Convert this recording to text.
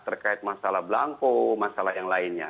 terkait masalah belangko masalah yang lainnya